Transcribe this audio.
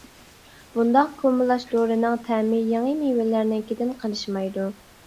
بۇنداق كۇمىلاچ دورىنىڭ تەمى يېڭى مېۋىلەرنىڭكىدىن قېلىشمايدۇ.